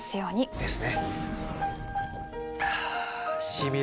ですね。